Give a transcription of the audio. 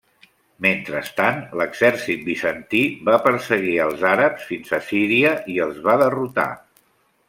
Mentrestant, l'exèrcit bizantí va perseguir als àrabs fins a Síria i els va derrotar.